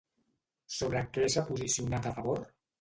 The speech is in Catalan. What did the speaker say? Sobre què s'ha posicionat a favor?